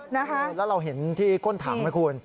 แล้วเราเห็นที่ก้นถังไหมคุณ